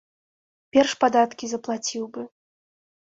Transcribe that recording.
Перш падаткі заплаціў бы.